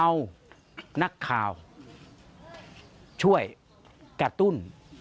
เอาให้ดูนากขาวช่วยกระตุ้น